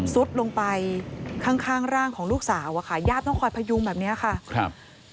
สุดลงไปข้างข้างร่างของลูกสาวอะค่ะญาติต้องคอยพยุงแบบเนี้ยค่ะครับ